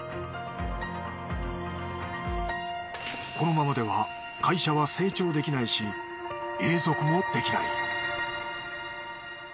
このままでは会社は成長できないし永続もできない。